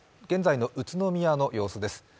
現在の宇都宮の様子です。